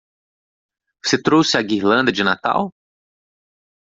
Você trouxe a guirlanda de Natal?